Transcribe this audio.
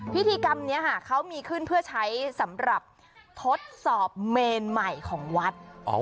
พิธีกรรมนี้ค่ะเขามีขึ้นเพื่อใช้สำหรับทดสอบเมนใหม่ของวัด